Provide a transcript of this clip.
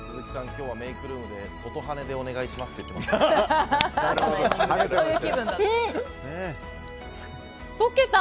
今日はメイクルームで外はねでお願いしますって言ってました。